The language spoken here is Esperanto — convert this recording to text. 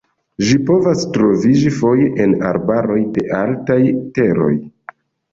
Ĝi povas troviĝi foje en arbaroj de altaj teroj.